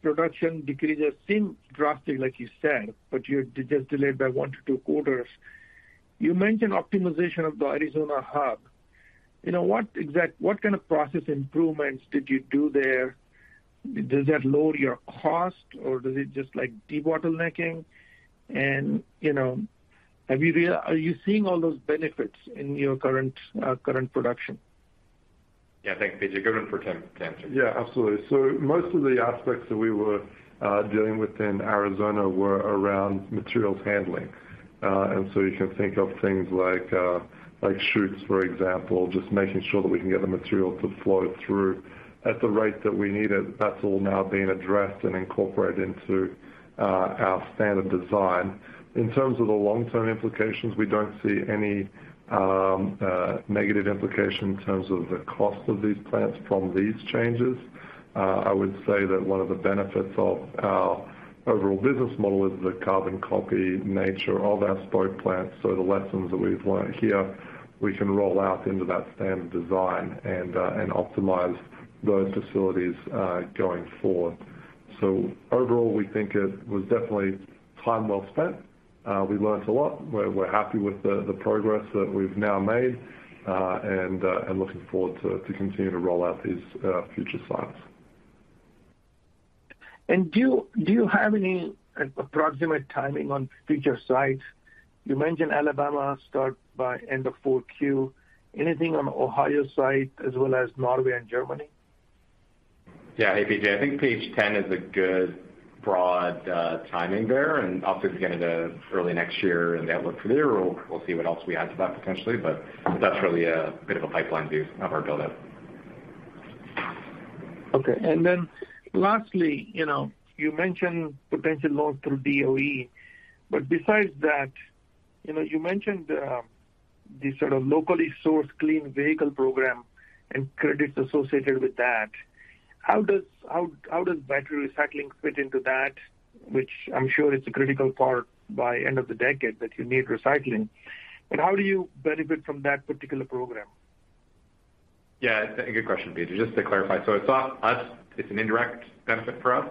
production decreases seem drastic, like you said, but you're delayed by 1-2 quarters. You mentioned optimization of the Arizona Hub. You know, what kind of process improvements did you do there? Does that lower your cost or does it just like debottlenecking? You know, are you seeing all those benefits in your current production? Yeah. Thanks, P.J. Give it to Tim to answer. Yeah, absolutely. Most of the aspects that we were dealing with in Arizona were around materials handling. You can think of things like chutes, for example, just making sure that we can get the material to flow through at the rate that we need it. That's all now being addressed and incorporated into our standard design. In terms of the long-term implications, we don't see any negative implication in terms of the cost of these plants from these changes. I would say that one of the benefits of our overall business model is the carbon copy nature of our Spoke plants. The lessons that we've learned here, we can roll out into that standard design and optimize those facilities going forward. Overall, we think it was definitely time well spent. We learned a lot. We're happy with the progress that we've now made, and looking forward to continue to roll out these future sites. Do you have any approximate timing on future sites? You mentioned Alabama start by end of Q4. Anything on Ohio site as well as Norway and Germany? Yeah. Hey, P.J. I think page 10 is a good broad timing there and up to the beginning of early next year and the outlook for the year. We'll see what else we add to that potentially, but that's really a bit of a pipeline view of our buildup. Okay. Lastly, you know, you mentioned potential loans through DOE, but besides that, you know, you mentioned the sort of locally sourced clean vehicle program and credits associated with that. How does battery recycling fit into that, which I'm sure is a critical part by the end of the decade that you need recycling? How do you benefit from that particular program? Yeah, a good question, PJ. Just to clarify, it's not us, it's an indirect benefit for us.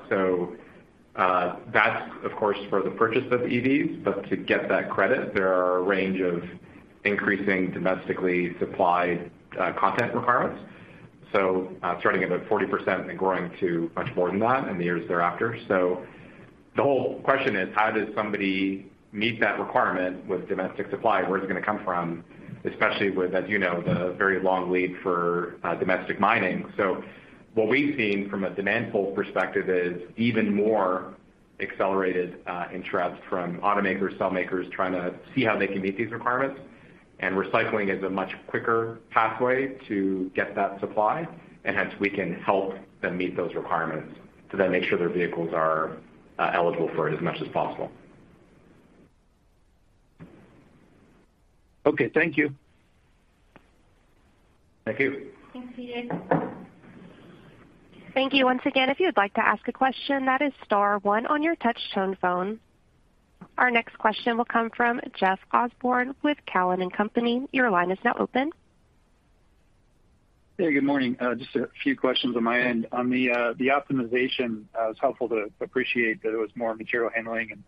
That's of course for the purchase of EVs. To get that credit, there are a range of increasing domestically supplied content requirements. Starting at about 40% and growing to much more than that in the years thereafter. The whole question is how does somebody meet that requirement with domestic supply? Where is it gonna come from? Especially with, as you know, the very long lead for domestic mining. What we've seen from a demand-side perspective is even more accelerated interest from automakers, cell makers trying to see how they can meet these requirements. Recycling is a much quicker pathway to get that supply and hence we can help them meet those requirements to then make sure their vehicles are eligible for it as much as possible. Okay, thank you. Thank you. Thank you. Thank you once again. If you would like to ask a question, that is star one on your touch-tone phone. Our next question will come from Jeff Osborne with Cowen and Company. Your line is now open. Hey, good morning. Just a few questions on my end. On the optimization, it's helpful to appreciate that it was more material handling and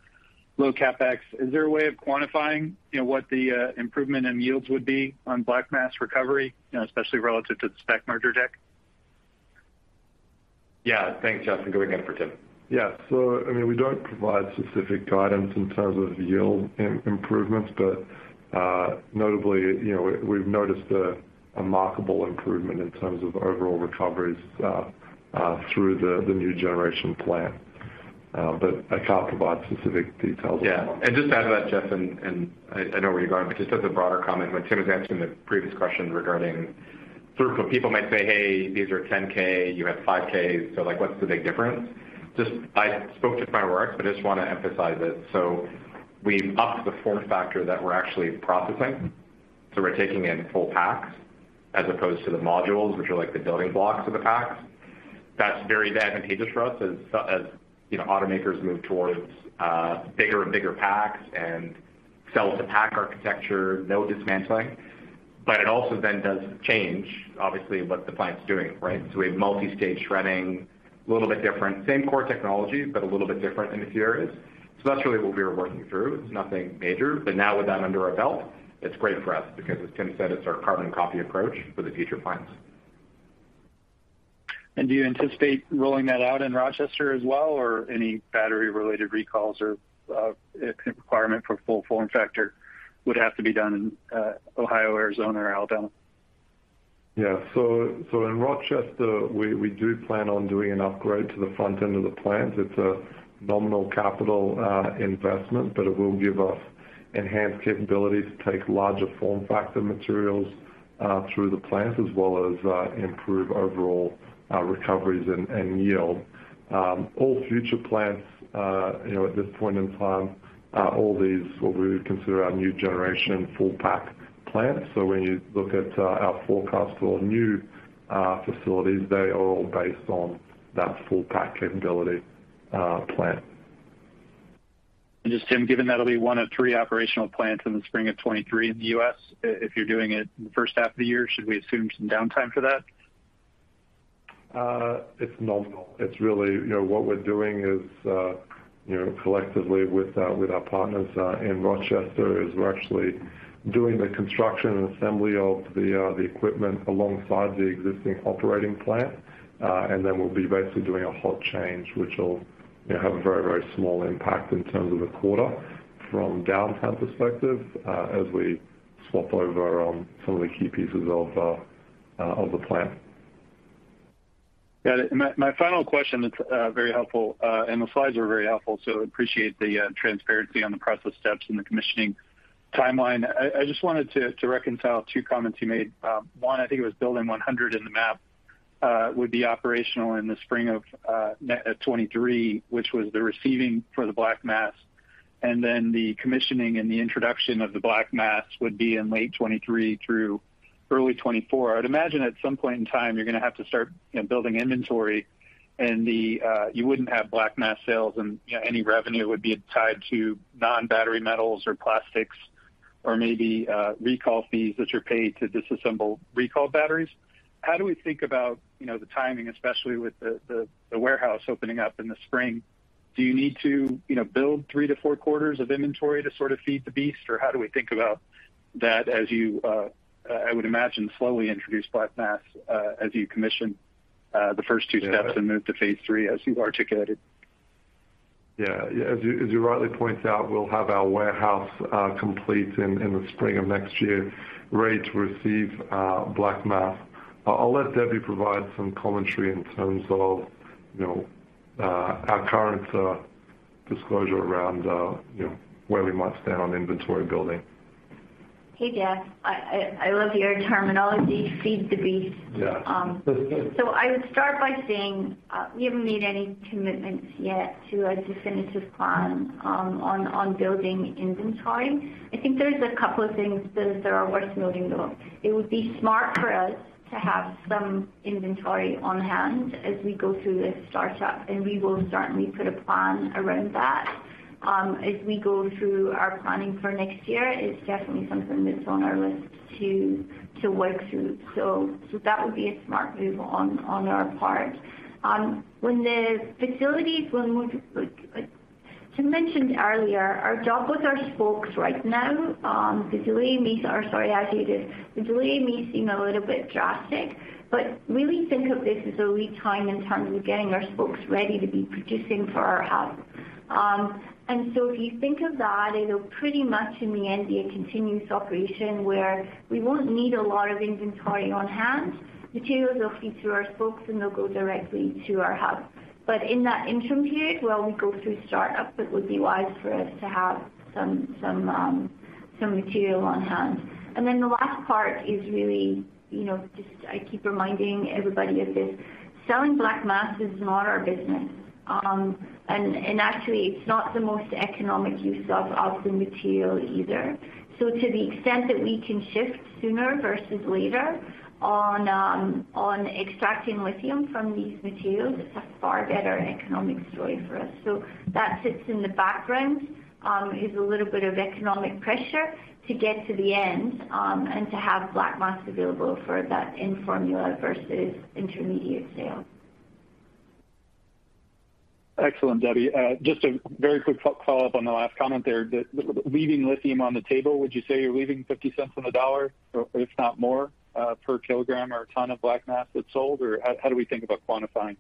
low CapEx. Is there a way of quantifying, you know, what the improvement in yields would be on black mass recovery, you know, especially relative to the SPAC merger deck? Yeah. Thanks, Jeff, and good weekend for Tim. Yeah. I mean, we don't provide specific guidance in terms of yield improvements, but notably, you know, we've noticed a remarkable improvement in terms of overall recoveries through the new generation plant. I can't provide specific details on that. Yeah. Just to add to that, Jeff, I know where you're going, but just as a broader comment, when Tim was answering the previous question regarding throughput, people might say, "Hey, these are 10K, you have 5Ks, so, like, what's the big difference?" Just as I spoke in my remarks, I just wanna emphasize it. We upped the form factor that we're actually processing, so we're taking in full packs as opposed to the modules, which are like the building blocks of the packs. That's very advantageous for us as you know, automakers move towards bigger and bigger packs and cell-to-pack architecture, no dismantling. It also then does change obviously what the plant's doing, right? We have multi-stage shredding, a little bit different. Same core technology, but a little bit different in a few areas. That's really what we are working through. It's nothing major, but now with that under our belt, it's great for us because as Tim said, it's our carbon copy approach for the future plants. Do you anticipate rolling that out in Rochester as well, or any battery-related recalls or requirement for full form factor would have to be done in Ohio, Arizona, or Alabama? Yeah. In Rochester, we do plan on doing an upgrade to the front end of the plant. It's a nominal capital investment, but it will give us enhanced capability to take larger form factor materials through the plant as well as improve overall recoveries and yield. All future plants, you know, at this point in time are all these what we would consider our new-generation full-pack plants. When you look at our forecast for new facilities, they are all based on that full pack capability plant. Just Tim, given that'll be one of three operational plants in the spring of 2023 in the U.S., if you're doing it in the first half of the year, should we assume some downtime for that? It's nominal. It's really, you know what we're doing is, you know, collectively with our partners in Rochester, is we're actually doing the construction and assembly of the equipment alongside the existing operating plant. Then we'll be basically doing a hot change, which will, you know, have a very, very small impact in terms of the quarter from downtime perspective, as we swap over some of the key pieces of the plant. Yeah. My final question that's very helpful and the slides were very helpful, so appreciate the transparency on the process steps and the commissioning timeline. I just wanted to reconcile two comments you made. One, I think it was Building 100 in the map would be operational in the spring of 2023, which was the receiving for the black mass, and then the commissioning and the introduction of the black mass would be in late 2023 through early 2024. I would imagine at some point in time, you're gonna have to start, you know, building inventory and then you wouldn't have black mass sales and, you know, any revenue would be tied to non-battery metals or plastics or maybe recall fees that you're paid to disassemble recalled batteries. How do we think about, you know, the timing, especially with the warehouse opening up in the spring? Do you need to, you know, build 3-4 quarters of inventory to sort of feed the beast? Or how do we think about that as you, I would imagine slowly introduce black mass, as you commission, the first two steps and move to phase three as you've articulated? Yeah. As you rightly point out, we'll have our warehouse complete in the spring of next year, ready to receive black mass. I'll let Debbie provide some commentary in terms of, you know, our current disclosure around, you know, where we might stand on inventory building. Hey, Jeff. I love your terminology, feed the beast. Yeah. I would start by saying, we haven't made any commitments yet to a definitive plan on building inventory. I think there's a couple of things that are worth noting, though. It would be smart for us to have some inventory on hand as we go through this startup, and we will certainly put a plan around that. As we go through our planning for next year, it's definitely something that's on our list to work through. That would be a smart move on our part. When the facilities will move, Tim mentioned earlier our job with our spokes right now. Visually may seem a little bit drastic, but really think of this as a lead time in terms of getting our spokes ready to be producing for our hub. If you think of that, it'll pretty much in the end be a continuous operation where we won't need a lot of inventory on hand. Materials will feed through our spokes, and they'll go directly to our hub. In that interim period while we go through startup, it would be wise for us to have some. Some material on hand. The last part is really, you know, just I keep reminding everybody of this, selling black mass is not our business. And actually it's not the most economic use of the material either. To the extent that we can shift sooner versus later on extracting lithium from these materials, it's a far better economic story for us. That sits in the background, is a little bit of economic pressure to get to the end, and to have black mass available for that end formula versus intermediate sale. Excellent, Debbie. Just a very quick follow-up on the last comment there. Leaving lithium on the table, would you say you're leaving 50 cents on the dollar, or if not more, per kilogram or ton of black mass that's sold? Or how do we think about quantifying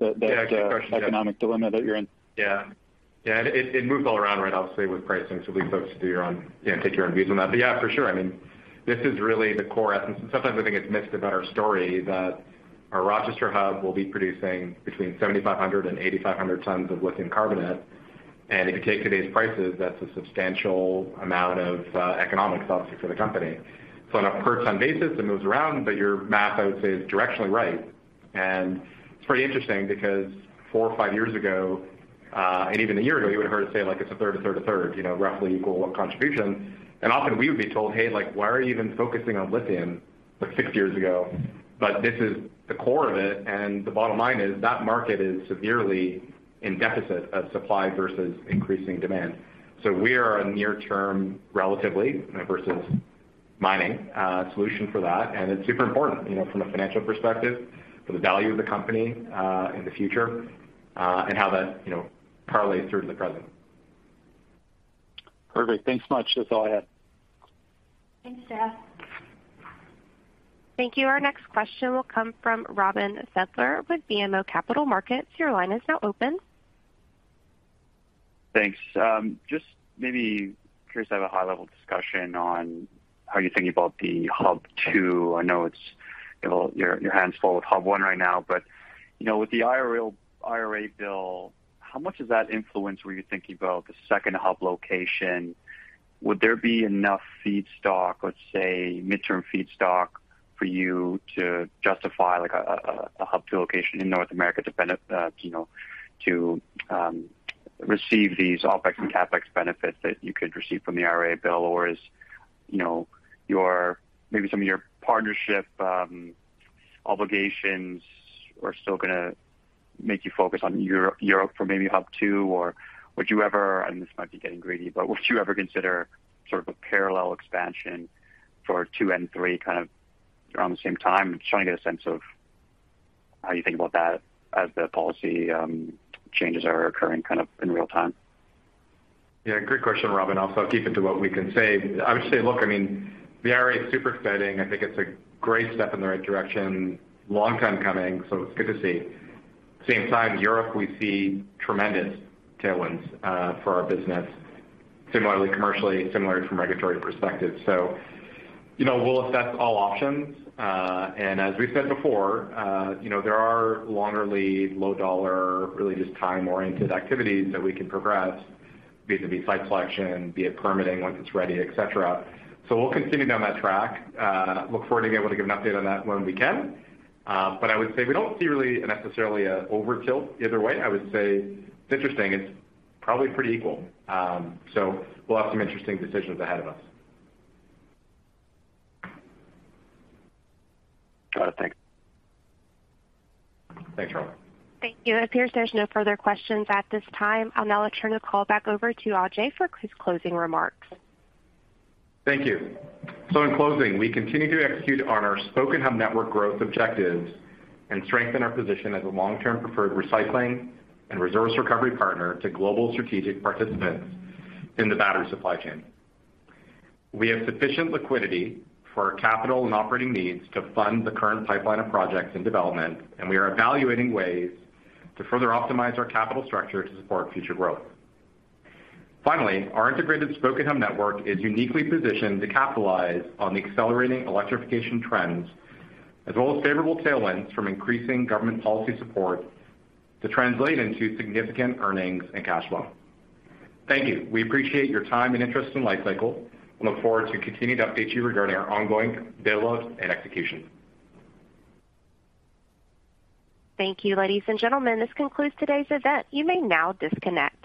the? Yeah, good question. The economic dilemma that you're in? Yeah. It moves all around, right, obviously, with pricing. Folks, do your own, you know, take your own views on that. Yeah, for sure. I mean, this is really the core essence. Sometimes I think it's missed about our story that our Rochester hub will be producing between 7,500 and 8,500 tons of lithium carbonate. If you take today's prices, that's a substantial amount of economics obviously for the company. On a per-ton basis, it moves around, but your math, I would say is directionally right. It's pretty interesting because four or five years ago, and even a year ago, you would've heard us say like it's a third, a third, a third, you know, roughly equal contribution. Often we would be told, "Hey, like, why are you even focusing on lithium?" Like six years ago. This is the core of it. The bottom line is that market is severely in deficit of supply versus increasing demand. We are a near term, relatively, you know, versus mining, solution for that. It's super important, you know, from a financial perspective, for the value of the company, in the future, and how that, you know, correlates through to the present. Perfect. Thanks much. That's all I had. Thanks, Jeff. Thank you. Our next question will come from Robin Fiedler with BMO Capital Markets. Your line is now open. Thanks. Just maybe curious to have a high level discussion on how you're thinking about the Hub 2. I know it's your hands full with Hub one right now, but, you know, with the IRA bill, how much does that influence where you're thinking about the second hub location? Would there be enough feedstock, let's say midterm feedstock for you to justify like a Hub 2 location in North America to benefit, you know, to receive these OpEx and CapEx benefits that you could receive from the IRA bill? Or is, you know, maybe some of your partnership obligations are still gonna make you focus on Europe for maybe Hub 2? Or would you ever, and this might be getting greedy, but would you ever consider sort of a parallel expansion for two and three kind of around the same time? I'm trying to get a sense of how you think about that as the policy changes are occurring kind of in real time. Yeah, great question, Robin. I'll sort of keep it to what we can say. I would say, look, I mean, the IRA is super exciting. I think it's a great step in the right direction, long time coming, so it's good to see. Same time, Europe, we see tremendous tailwinds for our business, similarly commercially, similarly from regulatory perspective. You know, we'll assess all options. And as we've said before, you know, there are longer lead, low-dollar, really just time-oriented activities that we can progress, be it site selection, be it permitting once it's ready, et cetera. We'll continue down that track. Look forward to be able to give an update on that when we can. I would say we don't see really necessarily an overtilt either way. I would say it's interesting. It's probably pretty equal. We'll have some interesting decisions ahead of us. Got it. Thank you. Thanks, Robin. Thank you. It appears there's no further questions at this time. I'll now turn the call back over to Ajay for his closing remarks. Thank you. In closing, we continue to execute on our Spoke and Hub network growth objectives and strengthen our position as a long-term preferred recycling and resource recovery partner to global strategic participants in the battery supply chain. We have sufficient liquidity for our capital and operating needs to fund the current pipeline of projects in development, and we are evaluating ways to further optimize our capital structure to support future growth. Finally, our integrated Spoke and Hub network is uniquely positioned to capitalize on the accelerating electrification trends, as well as favorable tailwinds from increasing government policy support to translate into significant earnings and cash flow. Thank you. We appreciate your time and interest in Li-Cycle. We look forward to continuing to update you regarding our ongoing dialogues and execution. Thank you, ladies and gentlemen. This concludes today's event. You may now disconnect.